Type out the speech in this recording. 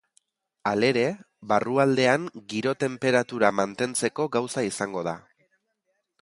Halere, barrualdean giro tenperatura mantentzeko gauza izango da.